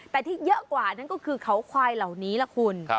แต่ที่เยอะกว่านั่นก็คือเขาควายเหล่านี้ล่ะคุณ